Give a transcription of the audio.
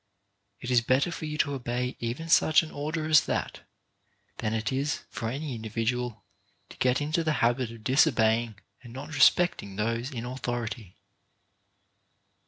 It is better for you to obey even such an order as that, than it is for any individual to get into the habit of disobeying and not respecting those in authority.